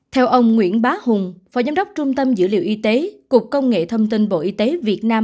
theo ông nguyễn bá hùng phó giám đốc trung tâm dữ liệu y tế cục công nghệ thông tin bộ y tế việt nam